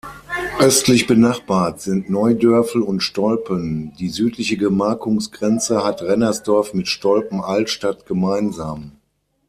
Östlich benachbart sind Neudörfel und Stolpen, die südliche Gemarkungsgrenze hat Rennersdorf mit Stolpen-Altstadt gemeinsam.